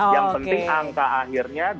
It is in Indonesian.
yang penting angka akhirnya